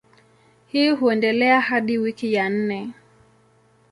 Hii huendelea hadi wiki ya nne.